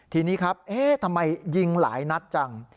ทีนี้ครับเอ๊ะทำไมยิงหลายนัดจัง